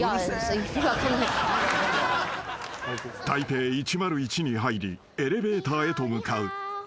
［台北１０１に入りエレベーターへと向かう］